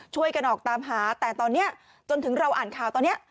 ช่วยกันออกตามหาแต่ตอนนี้จนถึงเราอ่านข่าวตอนนี้